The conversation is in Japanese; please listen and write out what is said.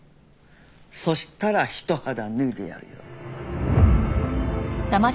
そしたら一肌脱いでやるよ。